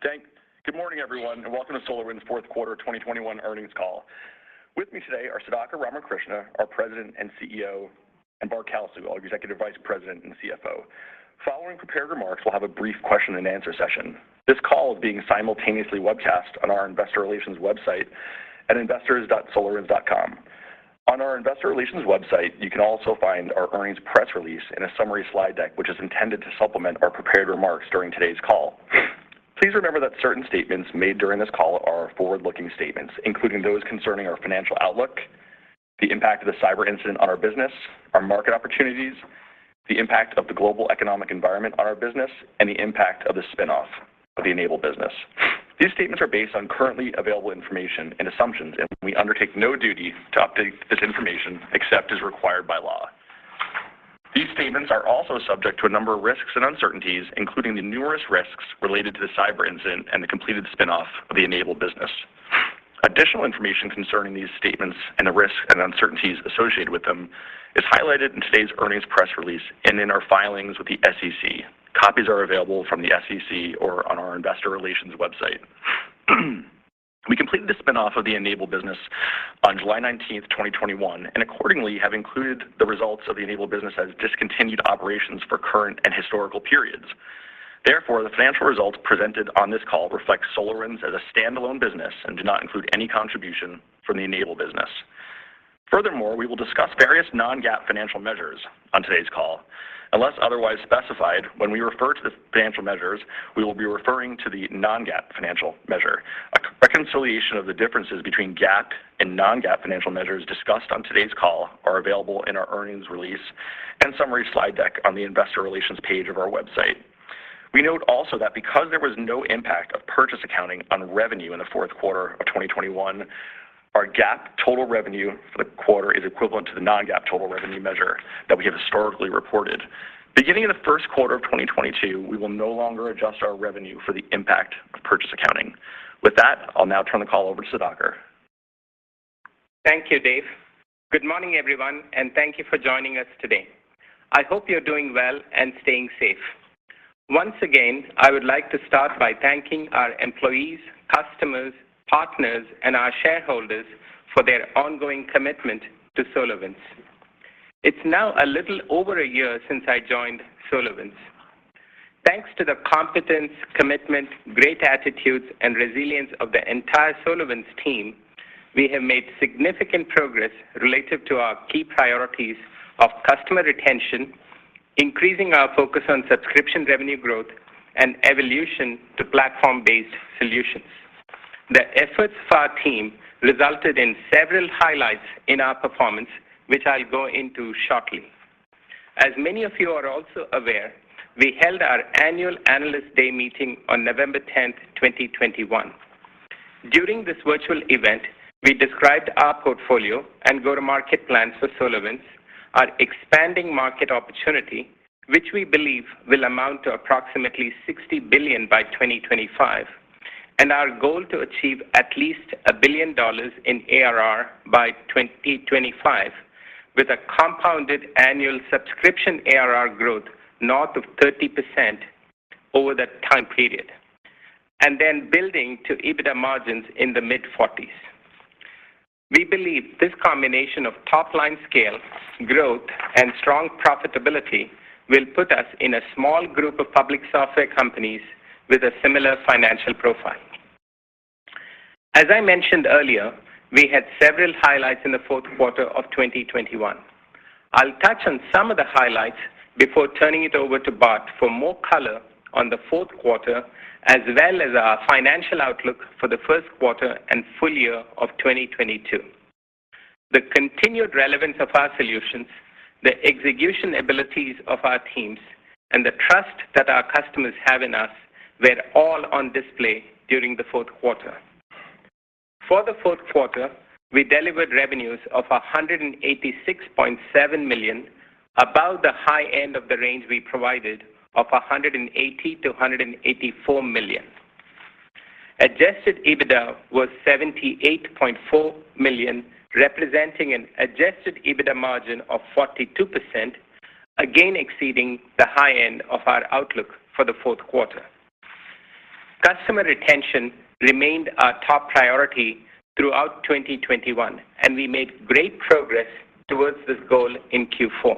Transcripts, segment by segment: Good morning, everyone, and welcome to SolarWinds' Fourth Quarter of 2021 Earnings Call. With me today are Sudhakar Ramakrishna, our President and CEO, and Bart Kalsu, our Executive Vice President and CFO. Following prepared remarks, we'll have a brief question and answer session. This call is being simultaneously webcast on our investor relations website at investors.solarwinds.com. On our investor relations website, you can also find our earnings press release and a summary slide deck, which is intended to supplement our prepared remarks during today's call. Please remember that certain statements made during this call are forward-looking statements, including those concerning our financial outlook, the impact of the cyber incident on our business, our market opportunities, the impact of the global economic environment on our business, and the impact of the spin-off of the N-able business. These statements are based on currently available information and assumptions, and we undertake no duty to update this information except as required by law. These statements are also subject to a number of risks and uncertainties, including the numerous risks related to the cyber incident and the completed spin-off of the N-able business. Additional information concerning these statements and the risks and uncertainties associated with them is highlighted in today's earnings press release and in our filings with the SEC. Copies are available from the SEC or on our investor relations website. We completed the spin-off of the N-able business on July 19th, 2021, and accordingly, have included the results of the N-able business as discontinued operations for current and historical periods. Therefore, the financial results presented on this call reflect SolarWinds as a standalone business and do not include any contribution from the N-able business. Furthermore, we will discuss various non-GAAP financial measures on today's call. Unless otherwise specified, when we refer to the financial measures, we will be referring to the non-GAAP financial measure. A reconciliation of the differences between GAAP and non-GAAP financial measures discussed on today's call are available in our earnings release and summary slide deck on the investor relations page of our website. We note also that because there was no impact of purchase accounting on revenue in the fourth quarter of 2021, our GAAP total revenue for the quarter is equivalent to the non-GAAP total revenue measure that we have historically reported. Beginning in the first quarter of 2022, we will no longer adjust our revenue for the impact of purchase accounting. With that, I'll now turn the call over to Sudhakar. Thank you, Dave. Good morning, everyone, and thank you for joining us today. I hope you're doing well and staying safe. Once again, I would like to start by thanking our employees, customers, partners, and our shareholders for their ongoing commitment to SolarWinds. It's now a little over a year since I joined SolarWinds. Thanks to the competence, commitment, great attitudes, and resilience of the entire SolarWinds team, we have made significant progress related to our key priorities of customer retention, increasing our focus on subscription revenue growth, and evolution to platform-based solutions. The efforts of our team resulted in several highlights in our performance, which I'll go into shortly. As many of you are also aware, we held our annual Analyst Day meeting on November 10th, 2021. During this virtual event, we described our portfolio and go-to-market plans for SolarWinds, our expanding market opportunity, which we believe will amount to approximately $60 billion by 2025, and our goal to achieve at least $1 billion in ARR by 2025 with a compounded annual subscription ARR growth north of 30% over that time period, and then building to EBITDA margins in the mid-40s. We believe this combination of top-line scale, growth, and strong profitability will put us in a small group of public software companies with a similar financial profile. As I mentioned earlier, we had several highlights in the fourth quarter of 2021. I'll touch on some of the highlights before turning it over to Bart for more color on the fourth quarter, as well as our financial outlook for the first quarter and full year of 2022. The continued relevance of our solutions, the execution abilities of our teams, and the trust that our customers have in us were all on display during the fourth quarter. For the fourth quarter, we delivered revenues of $186.7 million, above the high end of the range we provided of $180 million-$184 million. Adjusted EBITDA was $78.4 million, representing an adjusted EBITDA margin of 42%, again exceeding the high end of our outlook for the fourth quarter. Customer retention remained our top priority throughout 2021, and we made great progress towards this goal in Q4.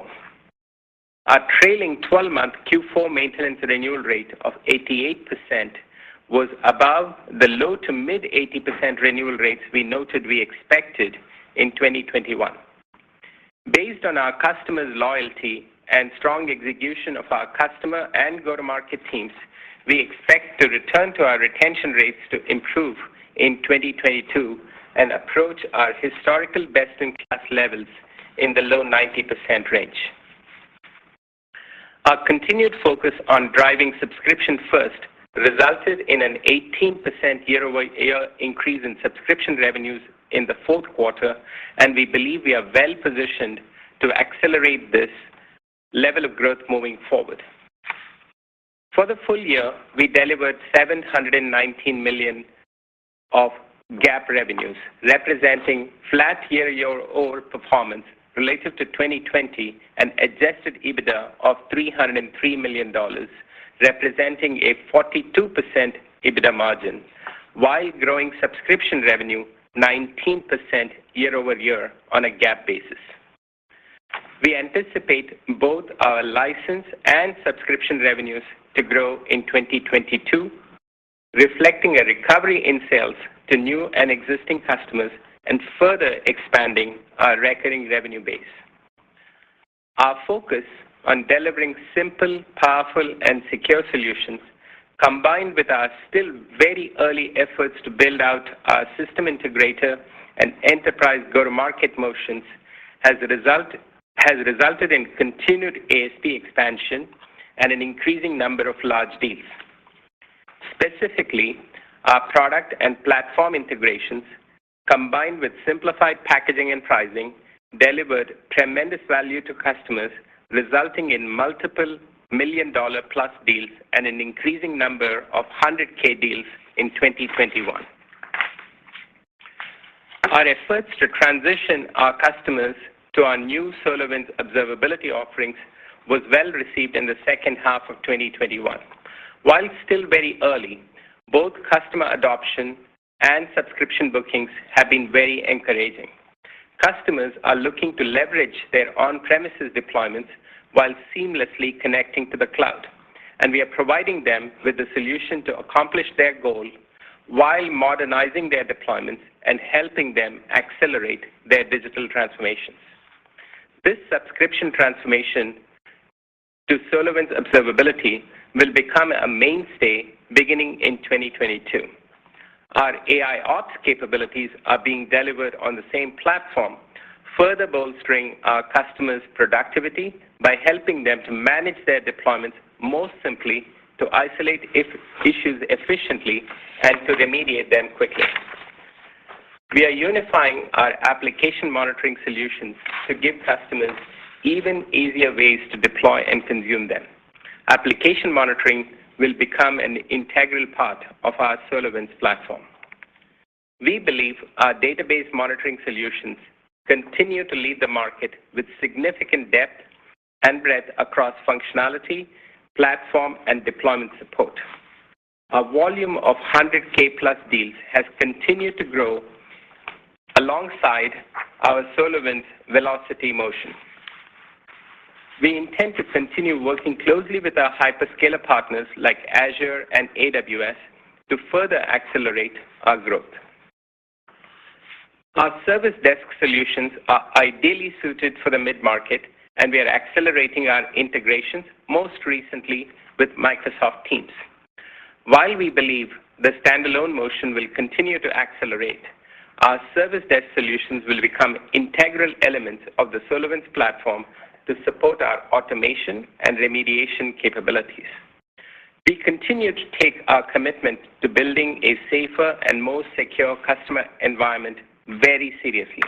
Our trailing 12-month Q4 maintenance renewal rate of 88% was above the low to mid-80% renewal rates we noted we expected in 2021. Based on our customers' loyalty and strong execution of our customer and go-to-market teams, we expect the return to our retention rates to improve in 2022 and approach our historical best-in-class levels in the low 90% range. Our continued focus on driving subscription first resulted in an 18% year-over-year increase in subscription revenues in the fourth quarter, and we believe we are well positioned to accelerate this level of growth moving forward. For the full year, we delivered $719 million of GAAP revenues, representing flat year-over-year performance relative to 2020 and an adjusted EBITDA of $303 million, representing a 42% EBITDA margin while growing subscription revenue 19% year-over-year on a GAAP basis. We anticipate both our license and subscription revenues to grow in 2022, reflecting a recovery in sales to new and existing customers and further expanding our recurring revenue base. Our focus on delivering simple, powerful, and secure solutions, combined with our still very early efforts to build out our system integrator and enterprise go-to-market motions, has resulted in continued ASP expansion and an increasing number of large deals. Specifically, our product and platform integrations, combined with simplified packaging and pricing, delivered tremendous value to customers, resulting in multiple million-dollar plus deals and an increasing number of 100K deals in 2021. Our efforts to transition our customers to our new SolarWinds observability offerings was well received in the second half of 2021. While still very early, both customer adoption and subscription bookings have been very encouraging. Customers are looking to leverage their on-premises deployments while seamlessly connecting to the cloud, and we are providing them with the solution to accomplish their goal while modernizing their deployments and helping them accelerate their digital transformations. This subscription transformation to SolarWinds observability will become a mainstay beginning in 2022. Our AIOps capabilities are being delivered on the same platform, further bolstering our customers' productivity by helping them to manage their deployments more simply, to isolate issues efficiently, and to remediate them quickly. We are unifying our application monitoring solutions to give customers even easier ways to deploy and consume them. Application monitoring will become an integral part of our SolarWinds platform. We believe our database monitoring solutions continue to lead the market with significant depth and breadth across functionality, platform, and deployment support. Our volume of 100K+ deals has continued to grow alongside our SolarWinds velocity motion. We intend to continue working closely with our hyperscaler partners like Azure and AWS to further accelerate our growth. Our service desk solutions are ideally suited for the mid-market, and we are accelerating our integrations, most recently with Microsoft Teams. While we believe the standalone motion will continue to accelerate, our service desk solutions will become integral elements of the SolarWinds platform to support our automation and remediation capabilities. We continue to take our commitment to building a safer and more secure customer environment very seriously.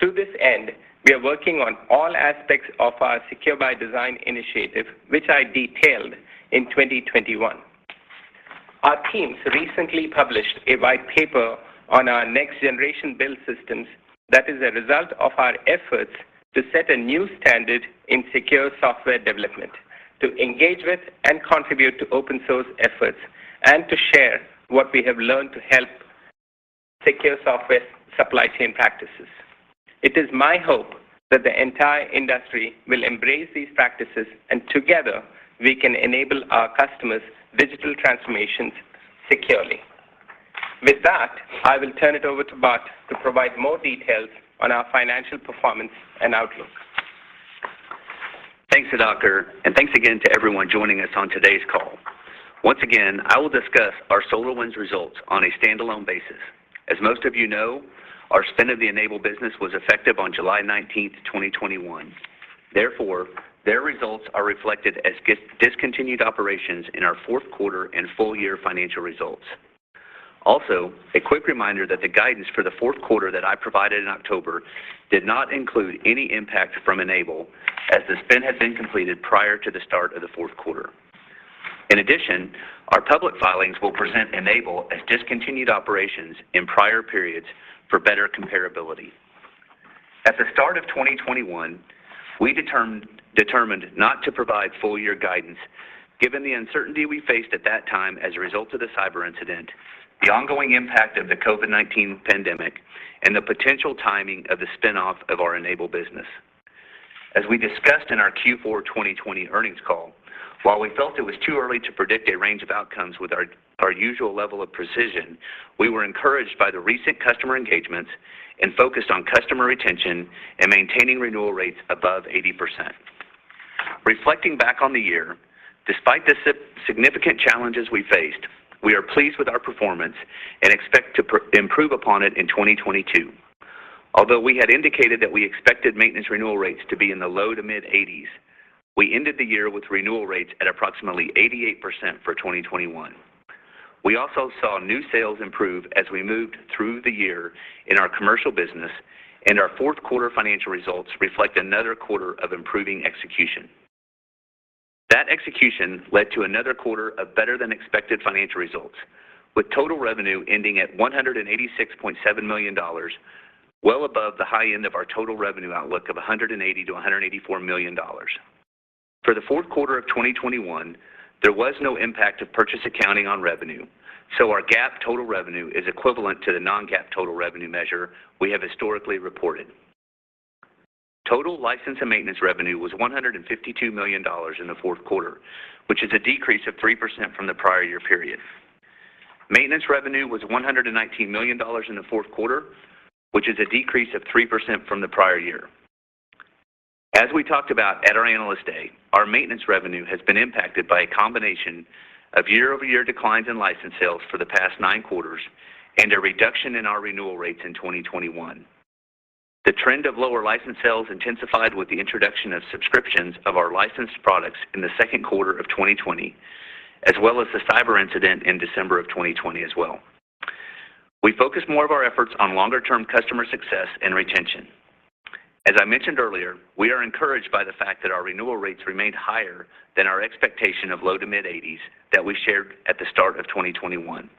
To this end, we are working on all aspects of our Secure by Design initiative, which I detailed in 2021. Our teams recently published a white paper on our next-generation build systems that is a result of our efforts to set a new standard in secure software development, to engage with and contribute to open source efforts, and to share what we have learned to help secure software supply chain practices. It is my hope that the entire industry will embrace these practices, and together we can enable our customers' digital transformations securely. With that, I will turn it over to Bart to provide more details on our financial performance and outlook. Thanks, Sudhakar, and thanks again to everyone joining us on today's call. Once again, I will discuss our SolarWinds results on a standalone basis. As most of you know, our spin of the N-able business was effective on July 19th, 2021. Therefore, their results are reflected as discontinued operations in our fourth quarter and full year financial results. Also, a quick reminder that the guidance for the fourth quarter that I provided in October did not include any impact from N-able as the spin had been completed prior to the start of the fourth quarter. In addition, our public filings will present N-able as discontinued operations in prior periods for better comparability. At the start of 2021, we determined not to provide full year guidance given the uncertainty we faced at that time as a result of the cyber incident, the ongoing impact of the COVID-19 pandemic, and the potential timing of the spin-off of our N-able business. As we discussed in our Q4 2020 earnings call, while we felt it was too early to predict a range of outcomes with our our usual level of precision, we were encouraged by the recent customer engagements and focused on customer retention and maintaining renewal rates above 80%. Reflecting back on the year, despite the significant challenges we faced, we are pleased with our performance and expect to improve upon it in 2022. Although we had indicated that we expected maintenance renewal rates to be in the low to mid-80s%, we ended the year with renewal rates at approximately 88% for 2021. We also saw new sales improve as we moved through the year in our commercial business, and our fourth quarter financial results reflect another quarter of improving execution. That execution led to another quarter of better-than-expected financial results, with total revenue ending at $186.7 million, well above the high end of our total revenue outlook of $180 million-$184 million. For the fourth quarter of 2021, there was no impact of purchase accounting on revenue, so our GAAP total revenue is equivalent to the non-GAAP total revenue measure we have historically reported. Total license and maintenance revenue was $152 million in the fourth quarter, which is a decrease of 3% from the prior year period. Maintenance revenue was $119 million in the fourth quarter, which is a decrease of 3% from the prior year. As we talked about at our Analyst Day, our maintenance revenue has been impacted by a combination of year-over-year declines in license sales for the past nine quarters and a reduction in our renewal rates in 2021. The trend of lower license sales intensified with the introduction of subscriptions of our licensed products in the second quarter of 2020, as well as the cyber incident in December of 2020 as well. We focused more of our efforts on longer-term customer success and retention. As I mentioned earlier, we are encouraged by the fact that our renewal rates remained higher than our expectation of low to mid-80s% that we shared at the start of 2021.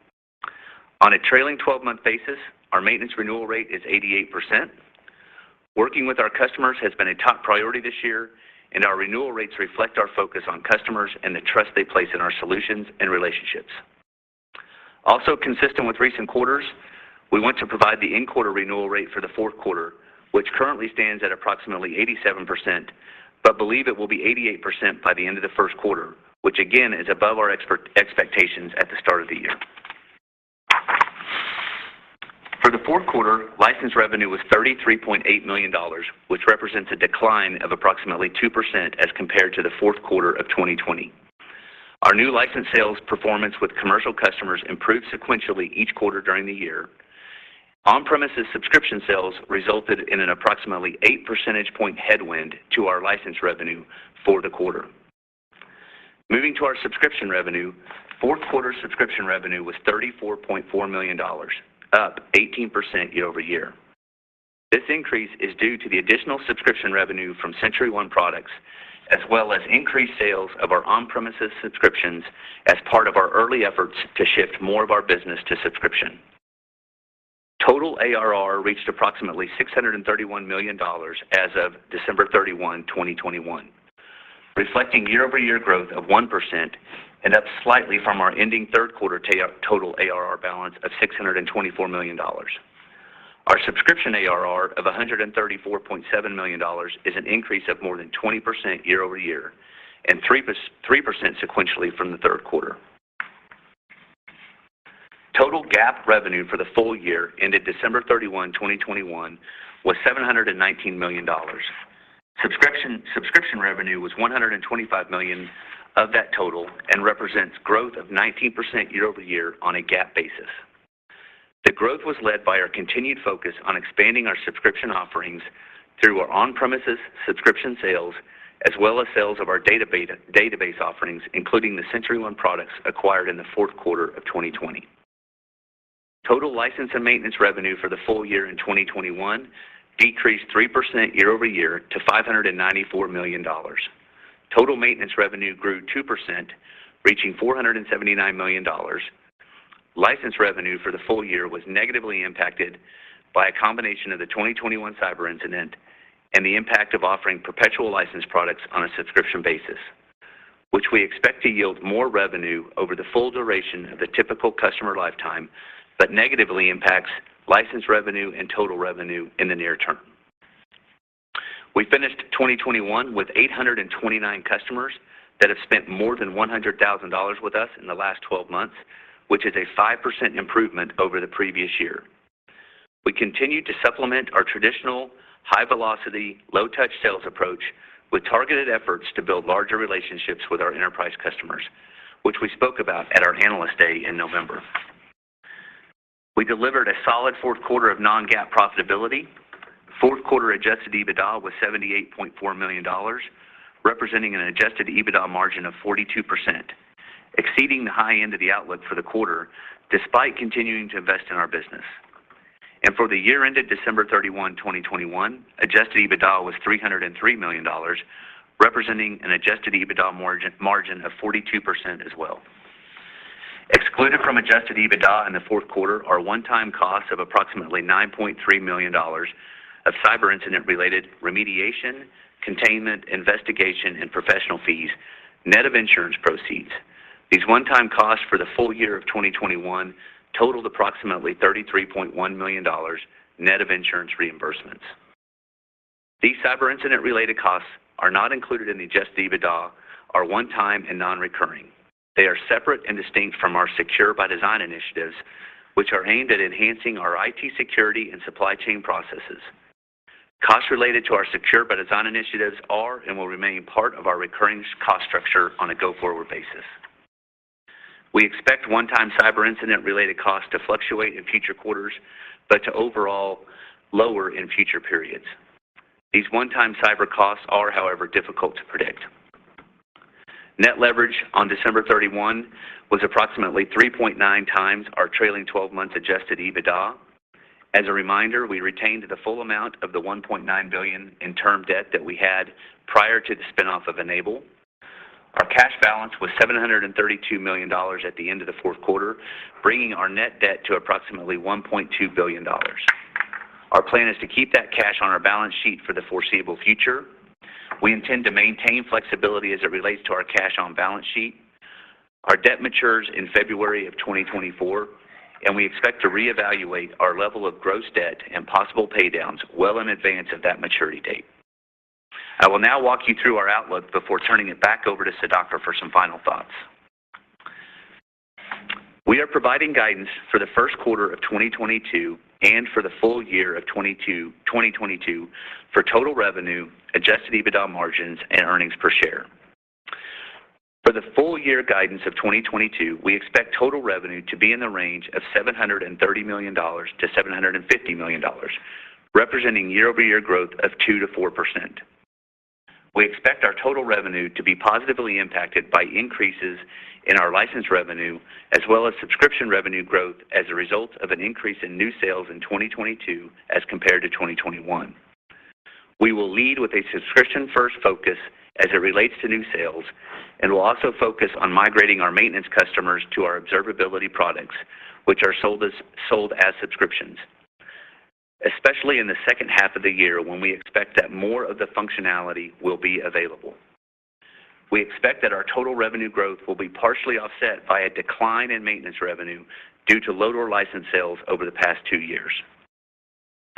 On a trailing 12-month basis, our maintenance renewal rate is 88%. Working with our customers has been a top priority this year, and our renewal rates reflect our focus on customers and the trust they place in our solutions and relationships. Also consistent with recent quarters, we want to provide the in-quarter renewal rate for the fourth quarter, which currently stands at approximately 87%, but believe it will be 88% by the end of the first quarter, which again is above our expectations at the start of the year. For the fourth quarter, license revenue was $33.8 million, which represents a decline of approximately 2% as compared to the fourth quarter of 2020. Our new license sales performance with commercial customers improved sequentially each quarter during the year. On-premises subscription sales resulted in an approximately 8 percentage points headwind to our license revenue for the quarter. Moving to our subscription revenue, fourth quarter subscription revenue was $34.4 million, up 18% year-over-year. This increase is due to the additional subscription revenue from SentryOne products, as well as increased sales of our on-premises subscriptions as part of our early efforts to shift more of our business to subscription. Total ARR reached approximately $631 million as of December 31, 2021, reflecting year-over-year growth of 1% and up slightly from our ending third quarter total ARR balance of $624 million. Our subscription ARR of $134.7 million is an increase of more than 20% year-over-year and 3% sequentially from the third quarter. Total GAAP revenue for the full year ended December 31, 2021 was $719 million. Subscription revenue was $125 million of that total and represents growth of 19% year-over-year on a GAAP basis. The growth was led by our continued focus on expanding our subscription offerings through our on-premises subscription sales as well as sales of our database offerings, including the SentryOne products acquired in the fourth quarter of 2020. Total license and maintenance revenue for the full year in 2021 decreased 3% year-over-year to $594 million. Total maintenance revenue grew 2%, reaching $479 million. License revenue for the full year was negatively impacted by a combination of the 2021 cyber incident and the impact of offering perpetual license products on a subscription basis, which we expect to yield more revenue over the full duration of the typical customer lifetime, but negatively impacts license revenue and total revenue in the near term. We finished 2021 with 829 customers that have spent more than $100,000 with us in the last 12 months, which is a 5% improvement over the previous year. We continue to supplement our traditional high velocity, low touch sales approach with targeted efforts to build larger relationships with our enterprise customers, which we spoke about at our Analyst Day in November. We delivered a solid fourth quarter of non-GAAP profitability. Fourth quarter adjusted EBITDA was $78.4 million, representing an adjusted EBITDA margin of 42%, exceeding the high end of the outlook for the quarter despite continuing to invest in our business. For the year ended December 31, 2021, adjusted EBITDA was $303 million, representing an adjusted EBITDA margin of 42% as well. Excluded from adjusted EBITDA in the fourth quarter are one-time costs of approximately $9.3 million of cyber incident-related remediation, containment, investigation, and professional fees, net of insurance proceeds. These one-time costs for the full year of 2021 totaled approximately $33.1 million, net of insurance reimbursements. These cyber incident-related costs are not included in the adjusted EBITDA, are one time and non-recurring. They are separate and distinct from our Secure by Design initiatives, which are aimed at enhancing our IT security and supply chain processes. Costs related to our Secure by Design initiatives are and will remain part of our recurring cost structure on a go-forward basis. We expect one-time cyber incident-related costs to fluctuate in future quarters, but to overall lower in future periods. These one-time cyber costs are, however, difficult to predict. Net leverage on December 31 was approximately 3.9 times our trailing 12-month adjusted EBITDA. As a reminder, we retained the full amount of the $1.9 billion in term debt that we had prior to the spin-off of N-able. Our cash balance was $732 million at the end of the fourth quarter, bringing our net debt to approximately $1.2 billion. Our plan is to keep that cash on our balance sheet for the foreseeable future. We intend to maintain flexibility as it relates to our cash on balance sheet. Our debt matures in February 2024, and we expect to reevaluate our level of gross debt and possible pay downs well in advance of that maturity date. I will now walk you through our outlook before turning it back over to Sudhakar for some final thoughts. We are providing guidance for the first quarter of 2022 and for the full year of 2022 for total revenue, adjusted EBITDA margins, and earnings per share. For the full year guidance of 2022, we expect total revenue to be in the range of $730 million-$750 million, representing year-over-year growth of 2%-4%. We expect our total revenue to be positively impacted by increases in our licensed revenue as well as subscription revenue growth as a result of an increase in new sales in 2022 as compared to 2021. We will lead with a subscription-first focus as it relates to new sales and will also focus on migrating our maintenance customers to our observability products, which are sold as subscriptions, especially in the second half of the year when we expect that more of the functionality will be available. We expect that our total revenue growth will be partially offset by a decline in maintenance revenue due to lower license sales over the past two years.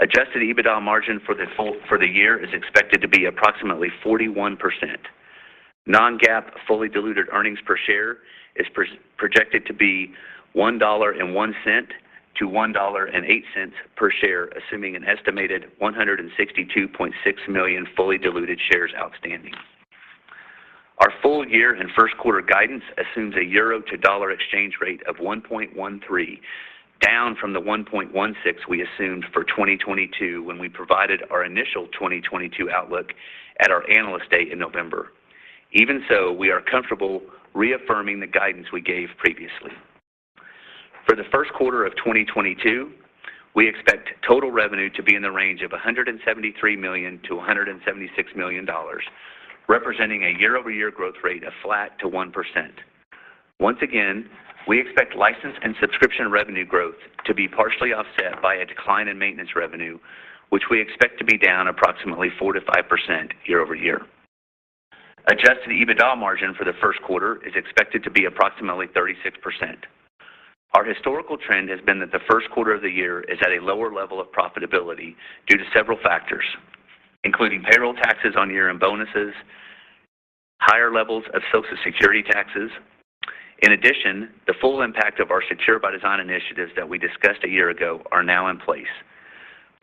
Adjusted EBITDA margin for the year is expected to be approximately 41%. Non-GAAP fully diluted earnings per share is projected to be $1.01-$1.08 per share, assuming an estimated 162.6 million fully diluted shares outstanding. Our full year and first quarter guidance assumes a euro to dollar exchange rate of 1.13, down from the 1.16 we assumed for 2022 when we provided our initial 2022 outlook at our Analyst Day in November. Even so, we are comfortable reaffirming the guidance we gave previously. For the first quarter of 2022, we expect total revenue to be in the range of $173 million-$176 million, representing a year-over-year growth rate of flat to 1%. Once again, we expect license and subscription revenue growth to be partially offset by a decline in maintenance revenue, which we expect to be down approximately 4%-5% year-over-year. Adjusted EBITDA margin for the first quarter is expected to be approximately 36%. Our historical trend has been that the first quarter of the year is at a lower level of profitability due to several factors, including payroll taxes on year-end bonuses, higher levels of Social Security taxes. In addition, the full impact of our Secure by Design initiatives that we discussed a year ago are now in place.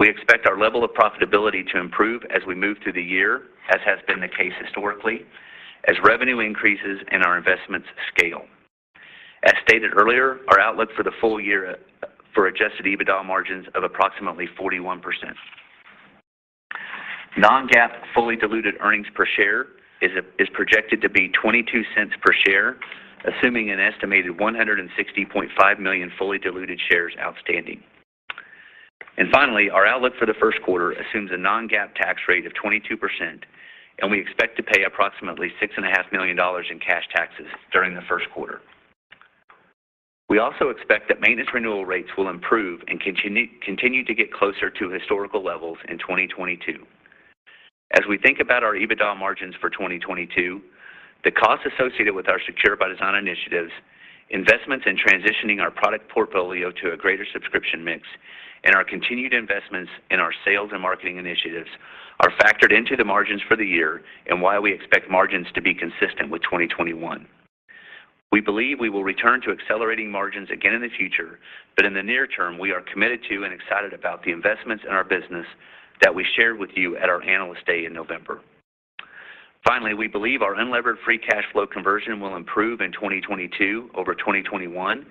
We expect our level of profitability to improve as we move through the year, as has been the case historically, as revenue increases and our investments scale. As stated earlier, our outlook for the full year is for adjusted EBITDA margins of approximately 41%. Non-GAAP fully diluted earnings per share is projected to be $0.22 per share, assuming an estimated 160.5 million fully diluted shares outstanding. Finally, our outlook for the first quarter assumes a non-GAAP tax rate of 22%, and we expect to pay approximately $6.5 million in cash taxes during the first quarter. We also expect that maintenance renewal rates will improve and continue to get closer to historical levels in 2022. As we think about our EBITDA margins for 2022, the cost associated with our Secure by Design initiatives, investments in transitioning our product portfolio to a greater subscription mix, and our continued investments in our sales and marketing initiatives are factored into the margins for the year and why we expect margins to be consistent with 2021. We believe we will return to accelerating margins again in the future, but in the near term, we are committed to and excited about the investments in our business that we shared with you at our Analyst Day in November. Finally, we believe our unlevered free cash flow conversion will improve in 2022 over 2021,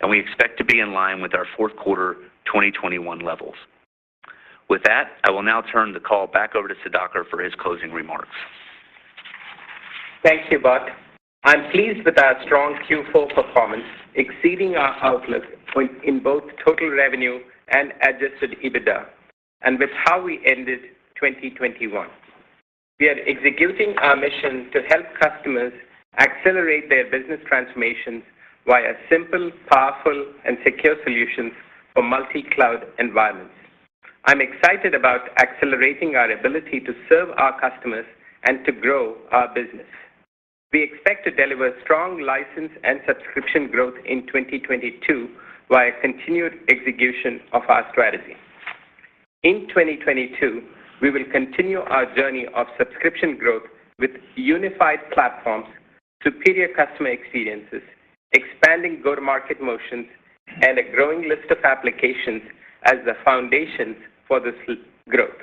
and we expect to be in line with our fourth quarter 2021 levels. With that, I will now turn the call back over to Sudhakar for his closing remarks. Thank you, Bart. I'm pleased with our strong Q4 performance, exceeding our outlook in both total revenue and adjusted EBITDA and with how we ended 2021. We are executing our mission to help customers accelerate their business transformations via simple, powerful, and secure solutions for multi-cloud environments. I'm excited about accelerating our ability to serve our customers and to grow our business. We expect to deliver strong license and subscription growth in 2022 via continued execution of our strategy. In 2022, we will continue our journey of subscription growth with unified platforms, superior customer experiences, expanding go-to-market motions, and a growing list of applications as the foundation for this growth.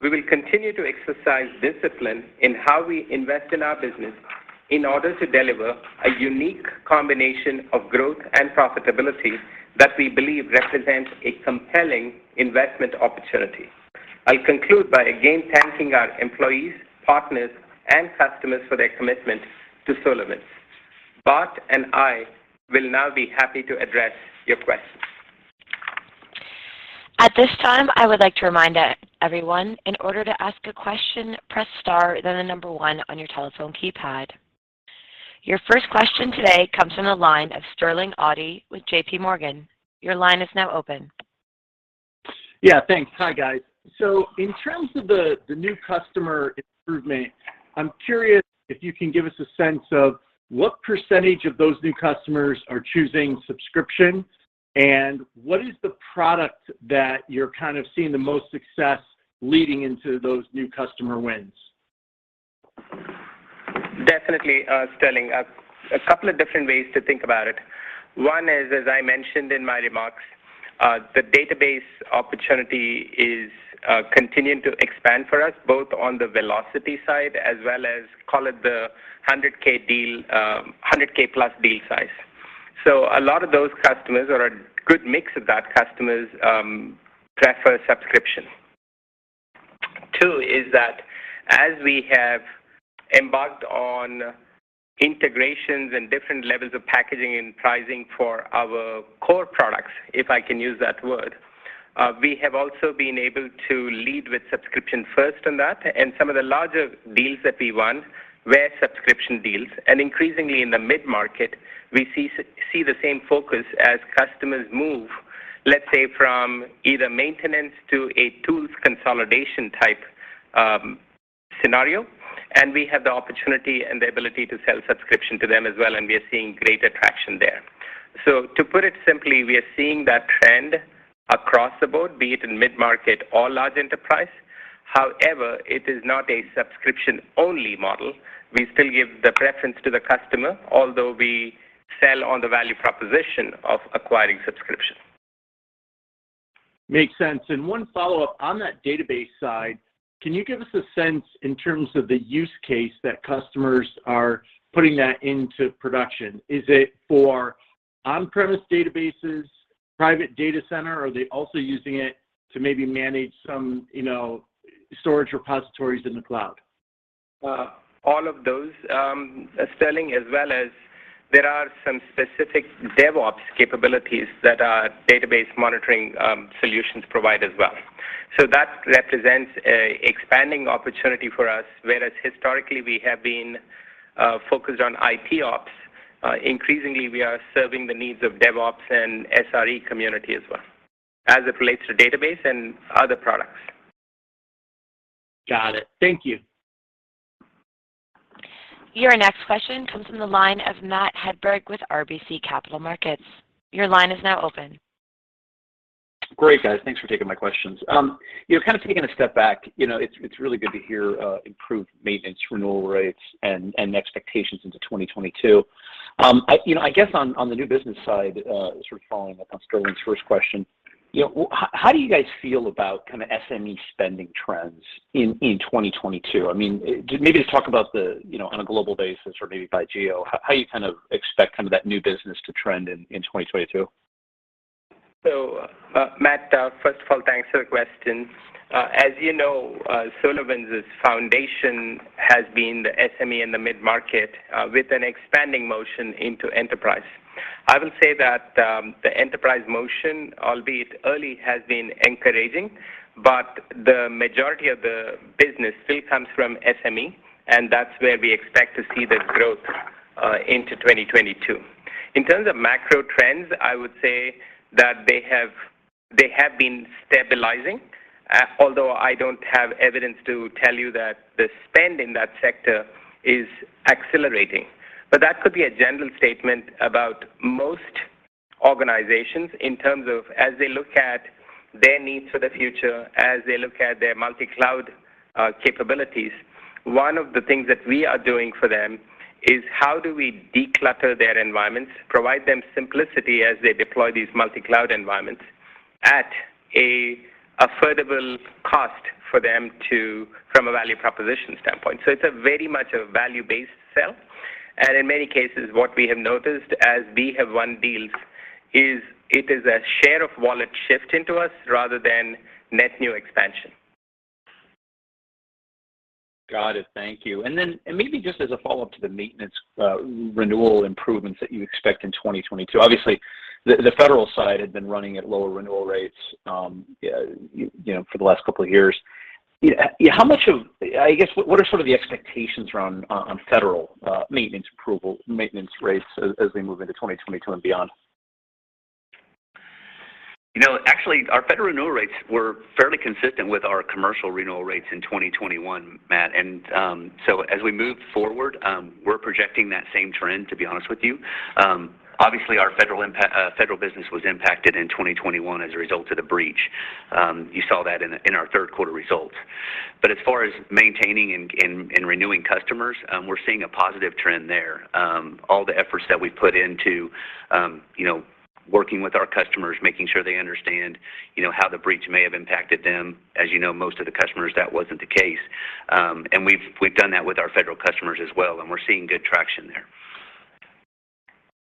We will continue to exercise discipline in how we invest in our business in order to deliver a unique combination of growth and profitability that we believe represents a compelling investment opportunity. I'll conclude by again thanking our employees, partners, and customers for their commitment to SolarWinds. Bart and I will now be happy to address your questions. At this time, I would like to remind everyone, in order to ask a question, press star, then the number one on your telephone keypad. Your first question today comes from the line of Sterling Auty with JPMorgan. Your line is now open. Yeah, thanks. Hi, guys. In terms of the new customer improvement, I'm curious if you can give us a sense of what percentage of those new customers are choosing subscription, and what is the product that you're kind of seeing the most success leading into those new customer wins? Definitely, Sterling. A couple of different ways to think about it. One is, as I mentioned in my remarks, the database opportunity is continuing to expand for us, both on the velocity side as well as, call it the 100K deal, 100K plus deal size. A lot of those customers, or a good mix of that customers, prefer subscription. Two is that as we have embarked on integrations and different levels of packaging and pricing for our core products, if I can use that word, we have also been able to lead with subscription first on that, and some of the larger deals that we won were subscription deals. Increasingly in the mid-market, we see see the same focus as customers move, let's say, from either maintenance to a tools consolidation type, scenario, and we have the opportunity and the ability to sell subscription to them as well, and we are seeing great attraction there. To put it simply, we are seeing that trend across the board, be it in mid-market or large enterprise. However, it is not a subscription-only model. We still give the preference to the customer, although we sell on the value proposition of acquiring subscription. Makes sense. One follow-up. On that database side, can you give us a sense in terms of the use case that customers are putting that into production? Is it for on-premise databases, private data center? Are they also using it to maybe manage some, you know, storage repositories in the cloud? All of those, Sterling, as well as there are some specific DevOps capabilities that our database monitoring solutions provide as well. That represents an expanding opportunity for us, whereas historically we have been focused on ITOps. Increasingly we are serving the needs of DevOps and SRE community as well, as it relates to database and other products. Got it. Thank you. Your next question comes from the line of Matt Hedberg with RBC Capital Markets. Your line is now open. Great, guys. Thanks for taking my questions. You know, kind of taking a step back, you know, it's really good to hear improved maintenance renewal rates and expectations into 2022. You know, I guess on the new business side, sort of following up on Sterling's first question, you know, how do you guys feel about kind of SME spending trends in 2022? I mean, maybe just talk about the, you know, on a global basis or maybe by geo, how you kind of expect kind of that new business to trend in 2022. Matt, first of all, thanks for the question. As you know, SolarWinds' foundation has been the SME and the mid-market, with an expanding motion into enterprise. I will say that the enterprise motion, albeit early, has been encouraging, but the majority of the business still comes from SME, and that's where we expect to see the growth into 2022. In terms of macro trends, I would say that they have been stabilizing, although I don't have evidence to tell you that the spend in that sector is accelerating. That could be a general statement about most organizations in terms of as they look at their needs for the future, as they look at their multi-cloud capabilities, one of the things that we are doing for them is how do we declutter their environments, provide them simplicity as they deploy these multi-cloud environments at a affordable cost for them from a value proposition standpoint. It's a very much a value-based sell, and in many cases what we have noticed as we have won deals is it is a share of wallet shift into us rather than net new expansion. Got it. Thank you. Maybe just as a follow-up to the maintenance renewal improvements that you expect in 2022, obviously the federal side had been running at lower renewal rates, you know, for the last couple of years. I guess, what are sort of the expectations around non-federal maintenance approval maintenance rates as we move into 2022 and beyond? You know, actually our federal renewal rates were fairly consistent with our commercial renewal rates in 2021, Matt. As we move forward, we're projecting that same trend, to be honest with you. Obviously our federal business was impacted in 2021 as a result of the breach. You saw that in our third quarter results. As far as maintaining and renewing customers, we're seeing a positive trend there. All the efforts that we've put into, you know, working with our customers, making sure they understand, you know, how the breach may have impacted them. As you know, most of the customers, that wasn't the case. We've done that with our federal customers as well, and we're seeing good traction there.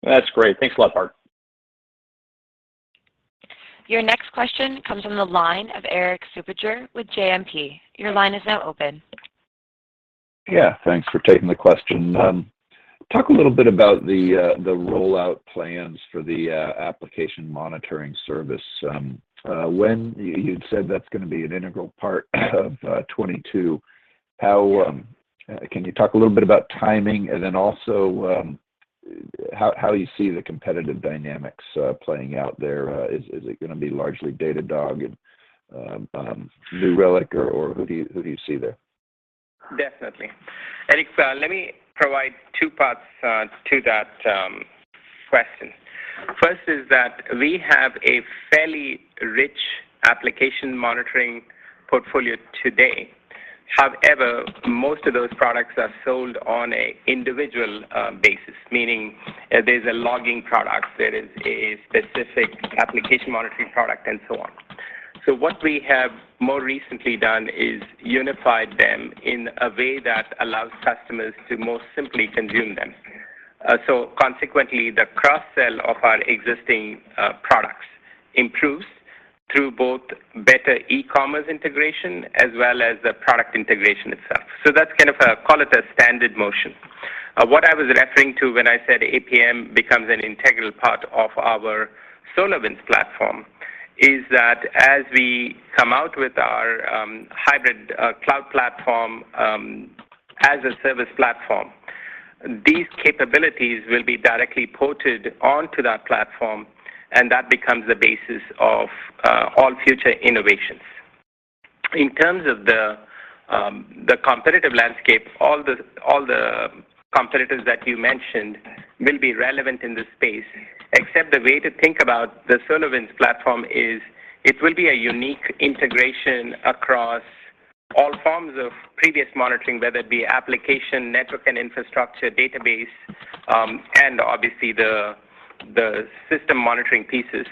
That's great. Thanks a lot, Bart. Your next question comes from the line of Erik Suppiger with JMP. Your line is now open. Yeah, thanks for taking the question. Talk a little bit about the rollout plans for the application monitoring service. When you said that's gonna be an integral part of 2022, how can you talk a little bit about timing and then also how you see the competitive dynamics playing out there? Is it gonna be largely Datadog and New Relic or who do you see there? Definitely. Erik, let me provide two parts to that question. First is that we have a fairly rich application monitoring portfolio today. However, most of those products are sold on an individual basis, meaning there's a logging product, there is a specific application monitoring product, and so on. What we have more recently done is unified them in a way that allows customers to more simply consume them. Consequently, the cross-sell of our existing products improves through both better e-commerce integration as well as the product integration itself. That's kind of a, call it, a standard motion. What I was referring to when I said APM becomes an integral part of our SolarWinds platform is that as we come out with our hybrid cloud platform as a service platform, these capabilities will be directly ported onto that platform, and that becomes the basis of all future innovations. In terms of the competitive landscape, all the competitors that you mentioned will be relevant in this space, except the way to think about the SolarWinds platform is it will be a unique integration across all forms of previous monitoring, whether it be application, network and infrastructure, database, and obviously the system monitoring pieces.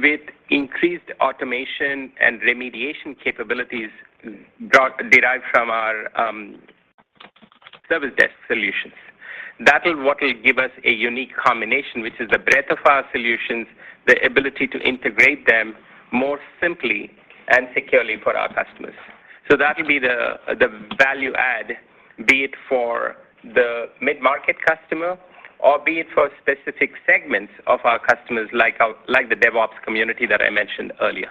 With increased automation and remediation capabilities derived from our Service Desk Solutions. That is what will give us a unique combination, which is the breadth of our solutions, the ability to integrate them more simply and securely for our customers. That'll be the value add, be it for the mid-market customer or be it for specific segments of our customers like our, like the DevOps community that I mentioned earlier.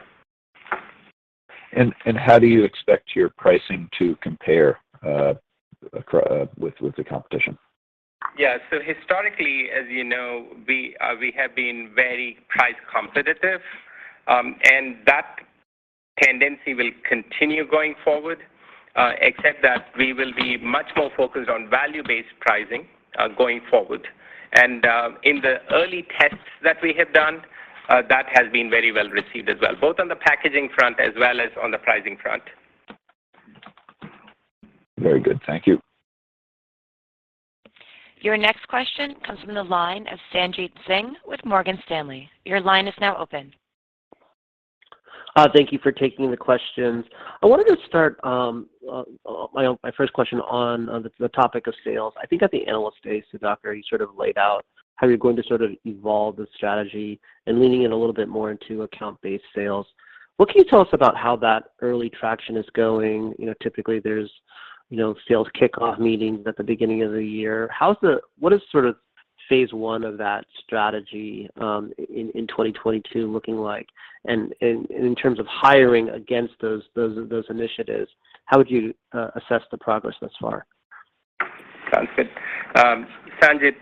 How do you expect your pricing to compare with the competition? Yeah. Historically, as you know, we have been very price competitive, and that tendency will continue going forward, except that we will be much more focused on value-based pricing going forward. In the early tests that we have done, that has been very well received as well, both on the packaging front as well as on the pricing front. Very good. Thank you. Your next question comes from the line of Sanjit Singh with Morgan Stanley. Your line is now open. Thank you for taking the questions. I wanted to start my first question on the topic of sales. I think at the Analyst Day, Sudhakar, you sort of laid out how you're going to sort of evolve the strategy and leaning in a little bit more into account-based sales. What can you tell us about how that early traction is going? You know, typically there's sales kickoff meetings at the beginning of the year. What is sort of phase one of that strategy in 2022 looking like? In terms of hiring against those initiatives, how would you assess the progress thus far? Sounds good. Sanjit,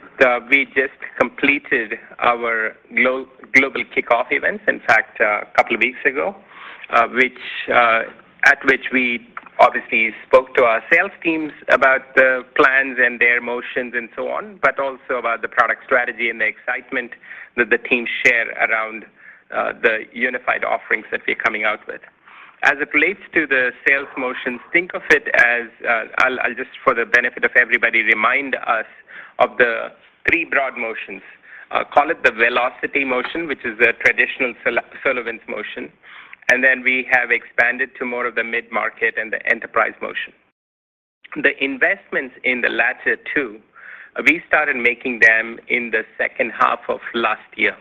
we just completed our global kickoff event, in fact, a couple of weeks ago, at which we obviously spoke to our sales teams about the plans and their motions and so on, but also about the product strategy and the excitement that the teams share around the unified offerings that we're coming out with. As it relates to the sales motions, think of it as, I'll just for the benefit of everybody remind us of the three broad motions. Call it the velocity motion, which is the traditional SolarWinds motion, and then we have expanded to more of the mid-market and the enterprise motion. The investments in the latter two, we started making them in the second half of last year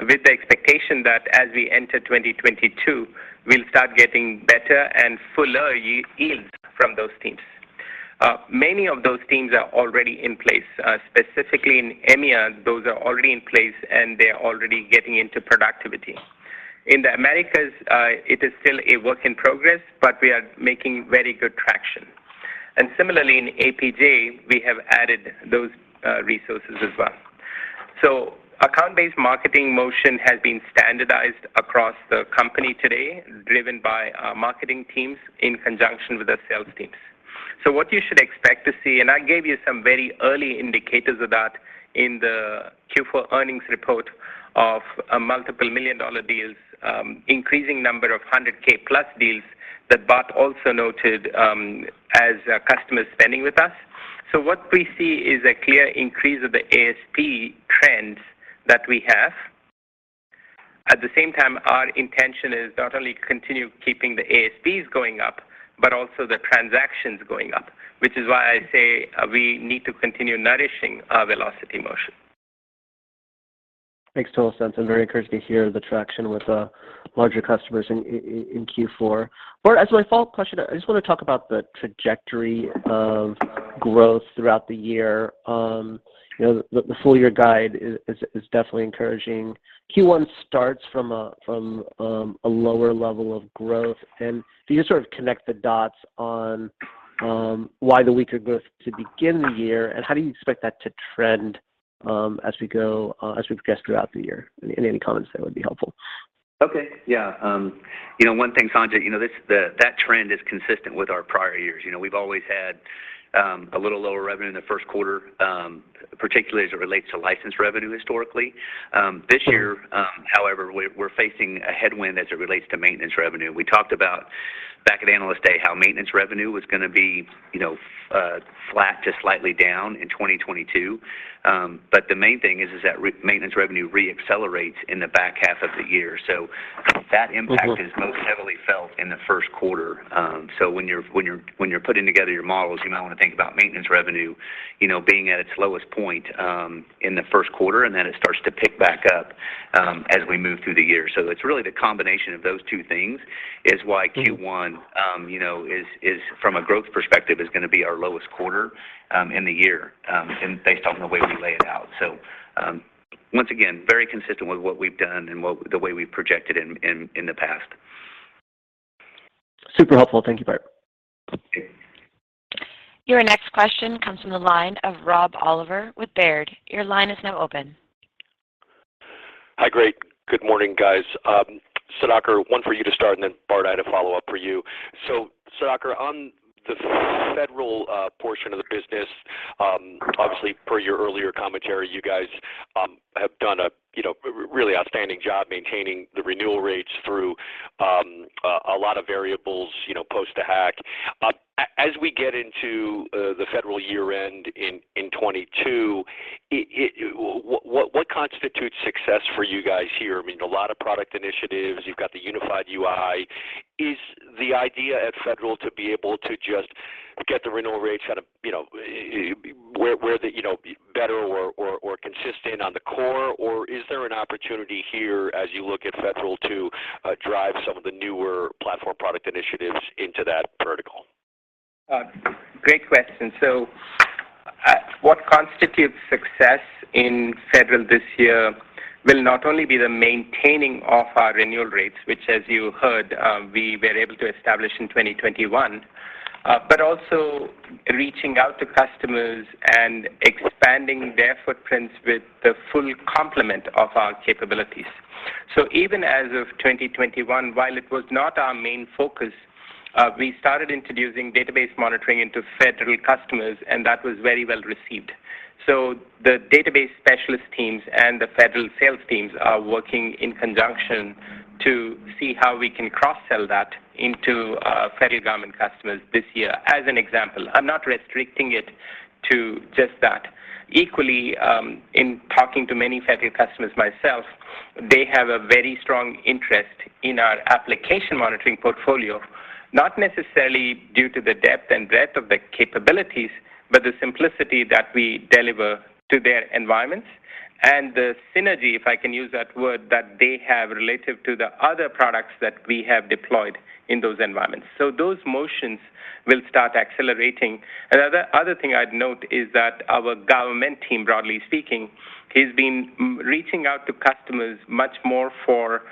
with the expectation that as we enter 2022, we'll start getting better and fuller yields from those teams. Many of those teams are already in place, specifically in EMEA, those are already in place and they are already getting into productivity. In the Americas, it is still a work in progress, but we are making very good traction. Similarly in APJ, we have added those resources as well. Account-based marketing motion has been standardized across the company today, driven by our marketing teams in conjunction with the sales teams. What you should expect to see, and I gave you some very early indicators of that in the Q4 earnings report of multiple million-dollar deals, increasing number of 100K plus deals that Bart also noted as customer spending with us. What we see is a clear increase of the ASP trends that we have. At the same time, our intention is not only to continue keeping the ASPs going up but also the transactions going up, which is why I say we need to continue nourishing our velocity motion. Makes total sense. I'm very encouraged to hear the traction with larger customers in Q4. As my follow-up question, I just wanna talk about the trajectory of growth throughout the year. You know, the full year guide is definitely encouraging. Q1 starts from a lower level of growth. Do you sort of connect the dots on why the weaker growth to begin the year, and how do you expect that to trend as we progress throughout the year? Any comments there would be helpful. Okay. Yeah. You know, one thing, Sanjit, you know, that trend is consistent with our prior years. You know, we've always had a little lower revenue in the first quarter, particularly as it relates to license revenue historically. This year, however, we're facing a headwind as it relates to maintenance revenue. We talked about back at Analyst Day how maintenance revenue was gonna be, you know, flat to slightly down in 2022. The main thing is that maintenance revenue re-accelerates in the back half of the year that impact Mm-hmm is most heavily felt in the first quarter. When you're putting together your models, you might wanna think about maintenance revenue, you know, being at its lowest point in the first quarter, and then it starts to pick back up as we move through the year. It's really the combination of those two things is why Q1, you know, is from a growth perspective, is gonna be our lowest quarter in the year, and based on the way we lay it out. Once again, very consistent with what we've done and the way we've projected in the past. Super helpful. Thank you, Bart. Okay. Your next question comes from the line of Rob Oliver with Baird. Your line is now open. Hi. Great. Good morning, guys. Sudhakar, one for you to start, and then Bart, I had a follow-up for you. Sudhakar, on the federal portion of the business, obviously per your earlier commentary, you guys have done a you know really outstanding job maintaining the renewal rates through a lot of variables, you know, post the hack. As we get into the federal year-end in 2022, what constitutes success for you guys here? I mean, a lot of product initiatives. You've got the unified UI. Is the idea at federal to be able to just get the renewal rates at a you know where the you know better or consistent on the core? Is there an opportunity here as you look at federal to drive some of the newer platform product initiatives into that vertical? Great question. What constitutes success in federal this year will not only be the maintaining of our renewal rates, which as you heard, we were able to establish in 2021, but also reaching out to customers and expanding their footprints with the full complement of our capabilities. Even as of 2021, while it was not our main focus, we started introducing database monitoring into federal customers, and that was very well received. The database specialist teams and the federal sales teams are working in conjunction to see how we can cross-sell that into federal government customers this year, as an example. I'm not restricting it to just that. Equally, in talking to many federal customers myself, they have a very strong interest in our application monitoring portfolio, not necessarily due to the depth and breadth of the capabilities, but the simplicity that we deliver to their environments and the synergy, if I can use that word, that they have relative to the other products that we have deployed in those environments. Those motions will start accelerating. Another thing I'd note is that our government team, broadly speaking, has been reaching out to customers much more for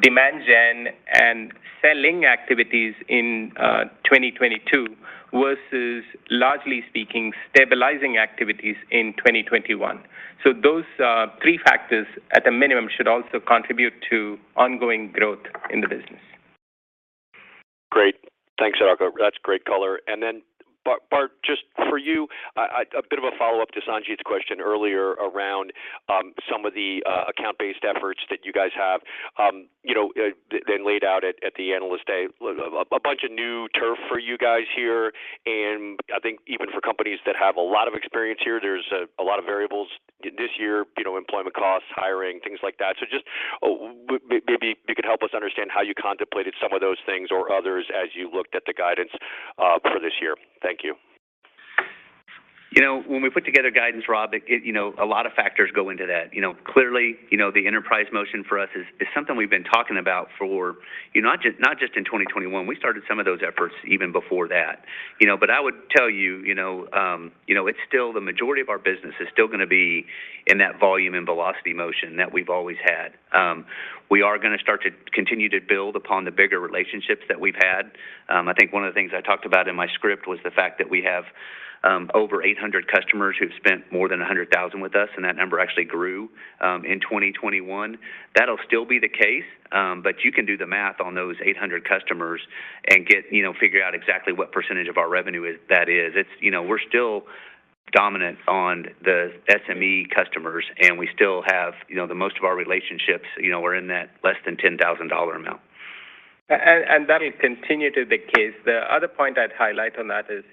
demand gen and selling activities in 2022 versus, largely speaking, stabilizing activities in 2021. Those three factors at a minimum should also contribute to ongoing growth in the business. Great. Thanks, Sudhakar. That's great color. Then Bart, just for you, a bit of a follow-up to Sanjit's question earlier around some of the account-based efforts that you guys have, you know, then laid out at the Analyst Day, a bunch of new turf for you guys here. I think even for companies that have a lot of experience here, there's a lot of variables this year, you know, employment costs, hiring, things like that. Just maybe you could help us understand how you contemplated some of those things or others as you looked at the guidance for this year. Thank you. You know, when we put together guidance, Rob, you know, a lot of factors go into that. You know, clearly, you know, the enterprise motion for us is something we've been talking about for, you know, not just in 2021. We started some of those efforts even before that. You know, but I would tell you know, you know, it's still the majority of our business is still gonna be in that volume and velocity motion that we've always had. We are gonna start to continue to build upon the bigger relationships that we've had. I think one of the things I talked about in my script was the fact that we have, over 800 customers who've spent more than $100,000 with us, and that number actually grew, in 2021. That'll still be the case. You can do the math on those 800 customers and get, you know, figure out exactly what percentage of our revenue is that. It's, you know, we're still dominant on the SME customers, and we still have, you know, the most of our relationships, you know, were in that less than $10,000 amount. That will continue to be the case. The other point I'd highlight on that is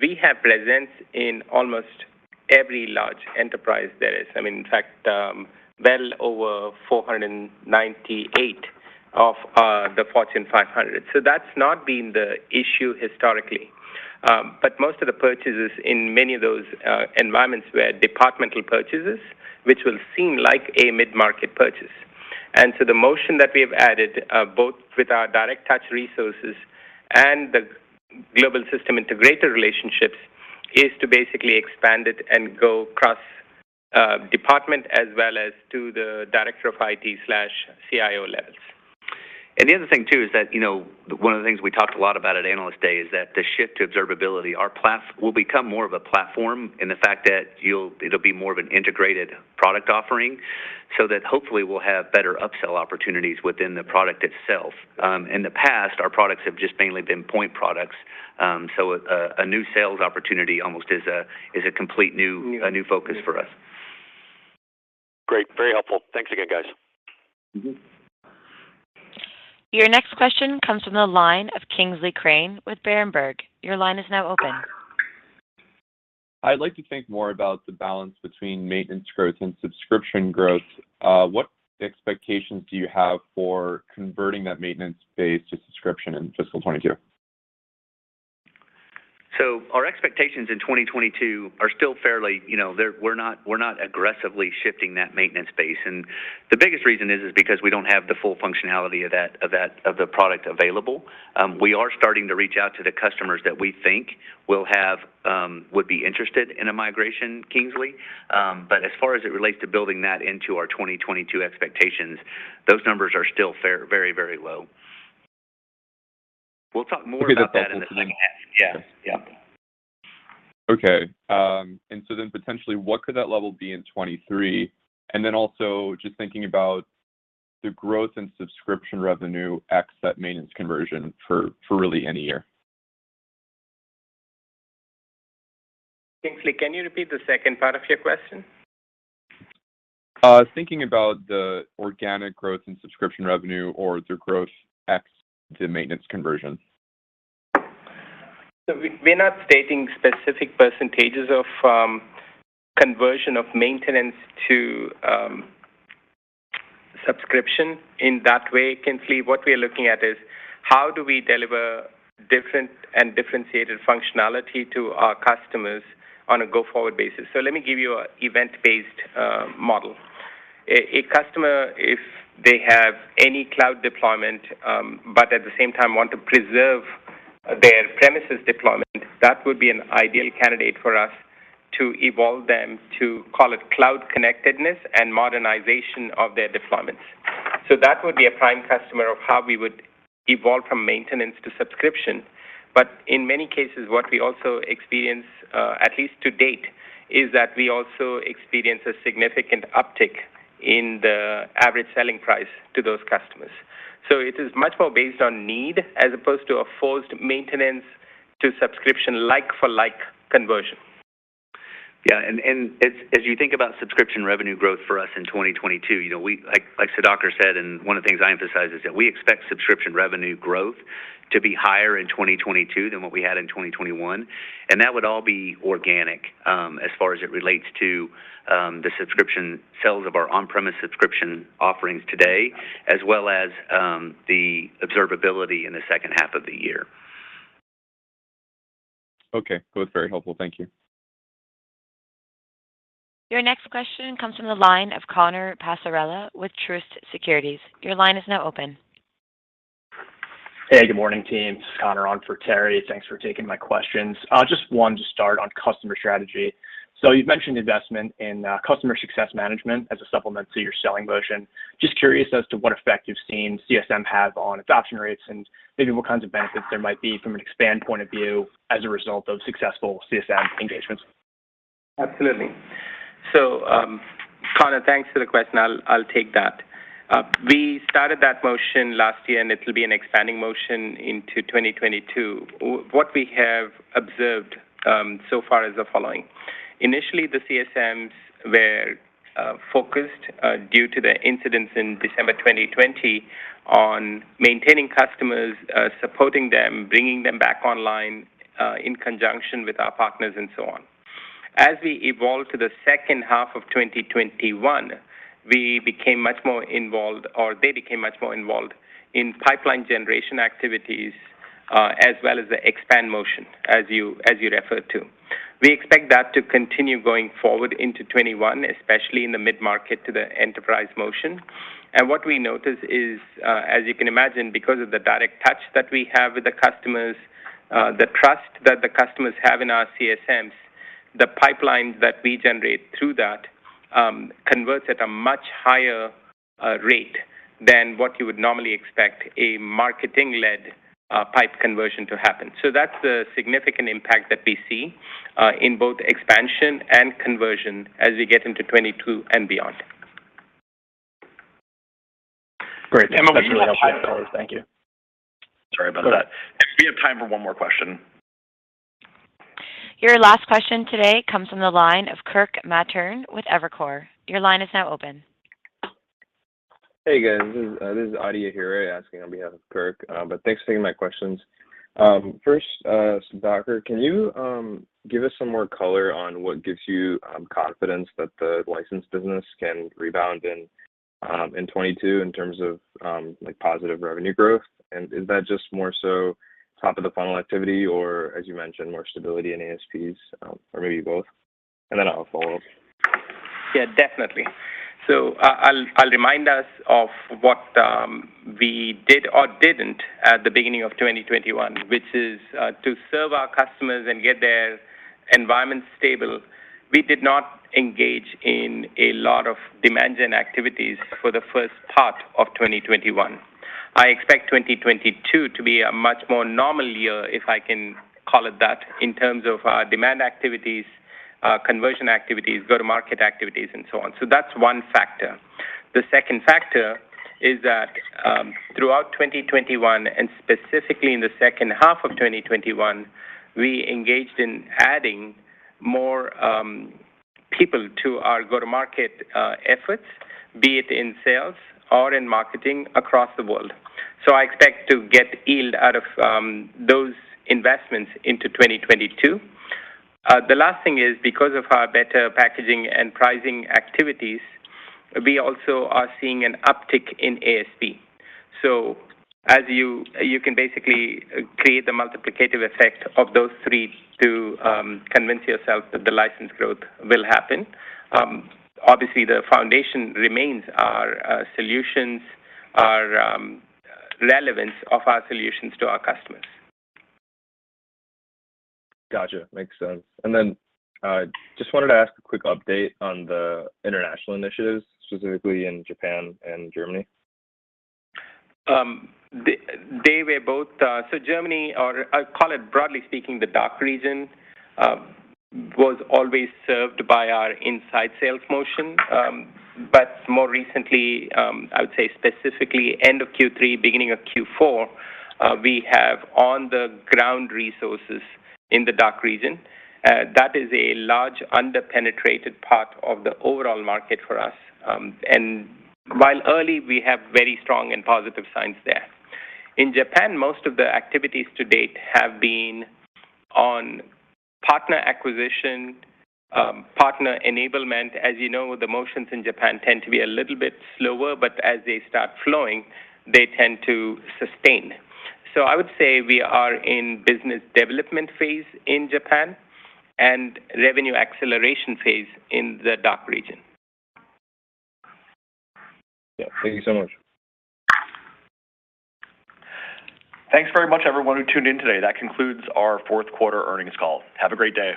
we have presence in almost every large enterprise there is. I mean, in fact, well over 498 of the Fortune 500. That's not been the issue historically. But most of the purchases in many of those environments were departmental purchases, which would seem like a mid-market purchase. The motion that we have added, both with our direct touch resources and the global system integrator relationships, is to basically expand it and go across department as well as to the director of IT/CIO levels. The other thing too is that, you know, one of the things we talked a lot about at Analyst Day is that the shift to observability will become more of a platform in the fact that it'll be more of an integrated product offering so that hopefully we'll have better upsell opportunities within the product itself. In the past, our products have just mainly been point products. So a new sales opportunity almost is a complete new- Yeah. A new focus for us. Great. Very helpful. Thanks again, guys. Mm-hmm. Your next question comes from the line of Kingsley Crane with Berenberg. Your line is now open. I'd like to think more about the balance between maintenance growth and subscription growth. What expectations do you have for converting that maintenance base to subscription in fiscal 2022? Our expectations in 2022 are still fairly. You know, we're not aggressively shifting that maintenance base. The biggest reason is because we don't have the full functionality of that of the product available. We are starting to reach out to the customers that we think would be interested in a migration, Kingsley. As far as it relates to building that into our 2022 expectations, those numbers are still very low. We'll talk more about that in the Okay, that's helpful. Yeah. Yeah. Potentially, what could that level be in 2023? Also just thinking about the growth in subscription revenue, except maintenance conversion for really any year. Kingsley, can you repeat the second part of your question? Thinking about the organic growth in subscription revenue or the growth X to maintenance conversion. We're not stating specific percentages of conversion of maintenance to subscription in that way, Kingsley. What we are looking at is how do we deliver different and differentiated functionality to our customers on a go-forward basis. Let me give you an event-based model. A customer, if they have any cloud deployment, but at the same time want to preserve their premises deployment, that would be an ideal candidate for us to evolve them to call it cloud connectedness and modernization of their deployments. That would be a prime customer of how we would evolve from maintenance to subscription. In many cases, what we also experience, at least to date, is that we also experience a significant uptick in the average selling price to those customers. It is much more based on need as opposed to a forced maintenance to subscription like for like conversion. Yeah, as you think about subscription revenue growth for us in 2022, you know, we like Sudhakar said, one of the things I emphasize is that we expect subscription revenue growth to be higher in 2022 than what we had in 2021, and that would all be organic, as far as it relates to the subscription sales of our on-premise subscription offerings today, as well as the observability in the second half of the year. Okay. Both very helpful. Thank you. Your next question comes from the line of Connor Passarella with Truist Securities. Your line is now open. Hey, good morning, team. This is Connor on for Terry. Thanks for taking my questions. Just one to start on customer strategy. You've mentioned investment in customer success management as a supplement to your selling motion. Just curious as to what effect you've seen CSM have on adoption rates and maybe what kinds of benefits there might be from an expand point of view as a result of successful CSM engagements. Absolutely. Connor, thanks for the question. I'll take that. We started that motion last year, and it'll be an expanding motion into 2022. What we have observed so far is the following: Initially, the CSMs were focused due to the incidents in December 2020 on maintaining customers, supporting them, bringing them back online in conjunction with our partners and so on. As we evolved to the second half of 2021, we became much more involved, or they became much more involved in pipeline generation activities as well as the expand motion, as you referred to. We expect that to continue going forward into 2021, especially in the mid-market to the enterprise motion. What we notice is, as you can imagine, because of the direct touch that we have with the customers, the trust that the customers have in our CSMs, the pipelines that we generate through that, converts at a much higher rate than what you would normally expect a marketing-led pipeline conversion to happen. So that's the significant impact that we see, in both expansion and conversion as we get into 2022 and beyond. Great. That's really helpful. Thank you. Sorry about that. We have time for one more question. Your last question today comes from the line of Kirk Materne with Evercore. Your line is now open. Hey guys, this is Aria here asking on behalf of Kirk. Thanks for taking my questions. First, Sudhakar, can you give us some more color on what gives you confidence that the license business can rebound in 2022 in terms of like positive revenue growth? And is that just more so top of the funnel activity or, as you mentioned, more stability in ASPs or maybe both? And then I'll follow up. Yeah, definitely. I'll remind us of what we did or didn't at the beginning of 2021, which is to serve our customers and get their environment stable. We did not engage in a lot of demand gen activities for the first part of 2021. I expect 2022 to be a much more normal year, if I can call it that, in terms of our demand activities, conversion activities, go-to-market activities, and so on. That's one factor. The second factor is that throughout 2021, and specifically in the second half of 2021, we engaged in adding more people to our go-to-market efforts, be it in sales or in marketing across the world. I expect to get yield out of those investments into 2022. The last thing is, because of our better packaging and pricing activities, we also are seeing an uptick in ASP. You can basically create the multiplicative effect of those three to convince yourself that the license growth will happen. Obviously the foundation remains our solutions, our relevance of our solutions to our customers. Gotcha. Makes sense. Just wanted to ask a quick update on the international initiatives, specifically in Japan and Germany. Germany, or I'll call it broadly speaking, the DACH region, was always served by our inside sales motion. More recently, I would say specifically end of Q3, beginning of Q4, we have on-the-ground resources in the DACH region. That is a large under-penetrated part of the overall market for us. While early, we have very strong and positive signs there. In Japan, most of the activities to date have been on partner acquisition, partner enablement. As you know, the motions in Japan tend to be a little bit slower, but as they start flowing, they tend to sustain. I would say we are in business development phase in Japan and revenue acceleration phase in the DACH region. Yeah. Thank you so much. Thanks very much everyone who tuned in today. That concludes our fourth quarter earnings call. Have a great day.